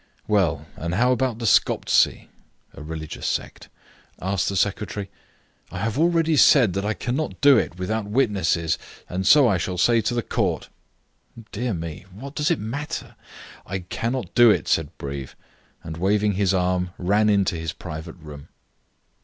"Well, and how about the Skoptzy?" [a religious sect] asked the secretary. "I have already said that I cannot do it without witnesses, and so I shall say to the Court." "Dear me, what does it matter?" "I cannot do it," said Breve; and, waving his arm, he ran into his private room.